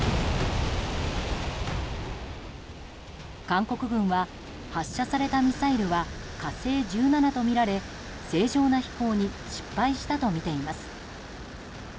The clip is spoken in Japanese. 韓国軍は発射されたミサイルは「火星１７」とみられ正常な飛行に失敗したとみています。